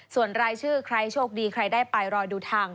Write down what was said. ส่วนรายชื่อใครโชคดีใครได้ไปรอดูทาง